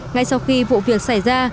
ngay sau khi vụ việc xảy ra